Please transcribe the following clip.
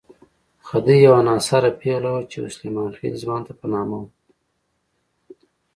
خدۍ یوه ناصره پېغله وه چې يو سلیمان خېل ځوان ته په نامه وه.